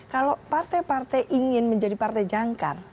kalau partai partai ingin menjadi partai jangkar